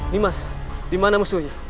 nimas dimana musuhnya